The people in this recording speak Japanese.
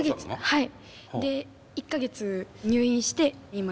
はい。